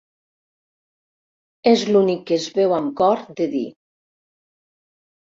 És l'únic que es veu amb cor de dir.